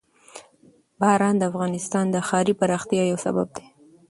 باران د افغانستان د ښاري پراختیا یو سبب دی.